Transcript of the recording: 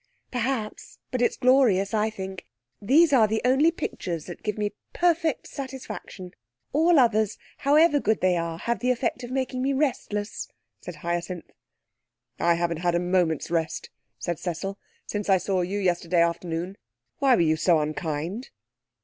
'Perhaps; but it's glorious, I think. These are the only pictures that give me perfect satisfaction. All others, however good they are, have the effect of making me restless,' said Hyacinth. 'I haven't had a moment's rest,' said Cecil, 'since I saw you yesterday afternoon. Why were you so unkind?'